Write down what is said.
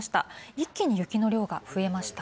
一気に雪の量が増えました。